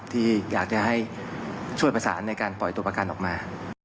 ที่อยากจะให้ช่วยประสานในการปล่อยตัวประกันออกมา